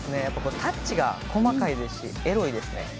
やっぱこうタッチが細かいですしエロいですね」